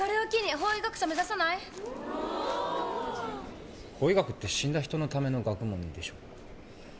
法医学って死んだ人のための学問でしょ？